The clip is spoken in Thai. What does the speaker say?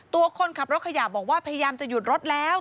คนขับรถขยะบอกว่าพยายามจะหยุดรถแล้ว